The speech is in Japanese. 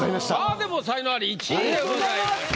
でも才能アリ１位でございます。